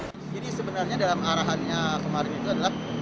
jadi sebenarnya dalam arahannya kemarin itu adalah